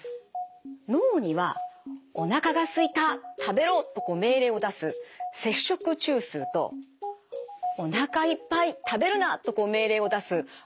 脳には「おなかがすいた食べろ！」と命令を出す摂食中枢と「おなかいっぱい食べるな！」と命令を出す満腹中枢